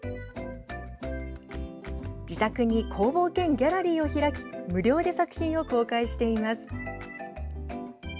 自宅に工房兼ギャラリーを開き無料で作品を公開しています。